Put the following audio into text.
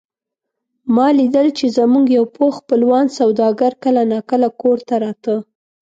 ما لیدل چې زموږ یو پوخ خپلوان سوداګر کله نا کله کور ته راته.